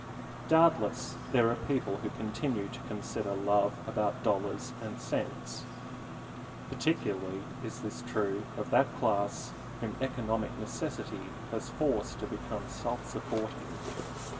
Doubtless there are people who continue to consider love above dollars and cents. Particularly is this true of that class whom economic necessity has forced to become self supporting.